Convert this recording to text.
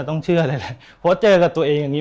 ต้องเชื่อเลยแหละเพราะเจอกับตัวเองอย่างนี้